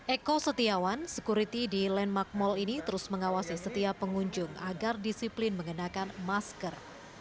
eko setiawan sekuriti di landmark mall ini terus mengawasi setiap pengunjung agar disiplin mengenakan masker